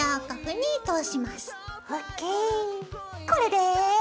これで。